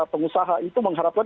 pengusaha itu mengharapkan